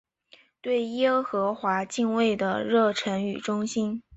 对耶和华敬畏的热诚与忠心。